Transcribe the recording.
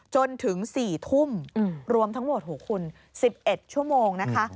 จนถึง๔ทุ่มรวมทั้งหมดคุณ๑๑ชั่วโมงนะคะ